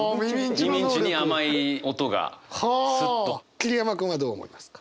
桐山君はどう思いますか？